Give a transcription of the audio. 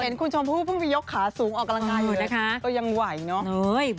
เห็นขุนชมผู้เพิ่งไปยกขาสูงออกกระลางกายเลยยังไหวเนอะ